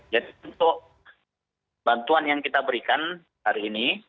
jadi untuk bantuan yang kita berikan hari ini